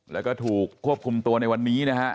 แล้วก็ถูกควบคุมตัวในวันนี้นะฮะ